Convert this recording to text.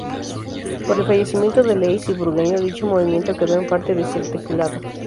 Por el fallecimiento de Leis y Burgueño dicho movimiento quedó en parte desarticulado.